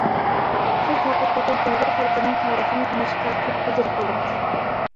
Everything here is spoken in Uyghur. سىز ھەقىقەتەن ئۇيغۇر خەلقىنىڭ تارىخىنى تونۇشقا كۆپ ئەجىر قىلدىڭىز.